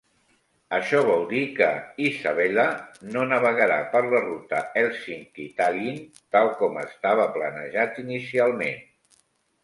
Això vol dir que "Isabella" no navegarà per la ruta Hèlsinki-Tallinn tal com estava planejat inicialment.